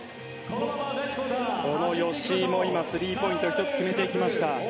この吉井もスリーポイントを１つ決めてきました。